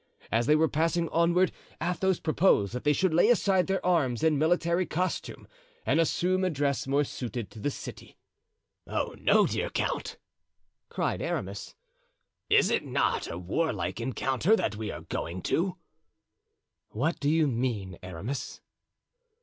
As they were passing onward, Athos proposed that they should lay aside their arms and military costume, and assume a dress more suited to the city. "Oh, no, dear count!" cried Aramis, "is it not a warlike encounter that we are going to?" "What do you mean, Aramis?"